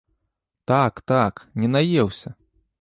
Так, так, не наеўся!